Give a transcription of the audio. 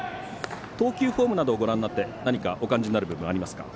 投球フォームなどをご覧になって何かお感じになる部分ありますか。